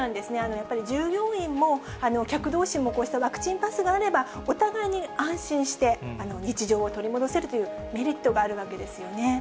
やっぱり従業員も、客どうしもこうしたワクチンパスがあれば、お互いに安心して日常を取り戻せるというメリットがあるわけですよね。